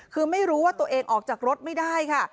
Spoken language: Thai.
คือไม่รู้ว่าตัวเองออกจากรถไม่ได้ค่ะ